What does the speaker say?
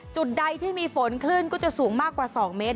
จุดใดที่มีฝนคลื่นก็จะสูงมากกว่า๒เมตร